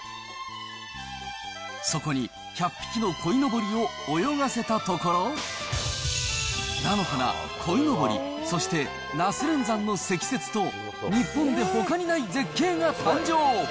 そこに１００匹のこいのぼりを泳がせたところ、菜の花、こいのぼり、そして那須連山の積雪と、日本でほかにない絶景が誕生。